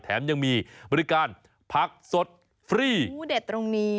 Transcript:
แถมยังมีบริการพักสดฟรี